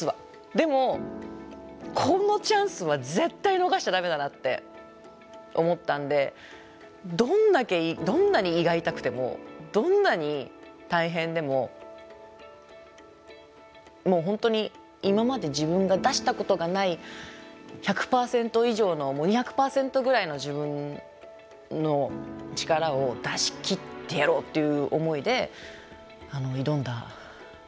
でもこのチャンスは絶対逃しちゃ駄目だなって思ったんでどんだけどんなに胃が痛くてもどんなに大変でももう本当に今まで自分が出したことがない１００％以上のもう２００％ぐらいの自分の力を出しきってやろうという思いで挑んだ撮影でした。